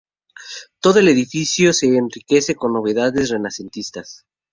Todo el edificio se enriquece con novedades renacentistas.